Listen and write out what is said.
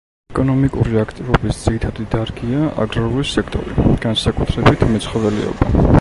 ეკონომიკური აქტივობის ძირითადი დარგია აგრარული სექტორი, განსაკუთრებით მეცხოველეობა.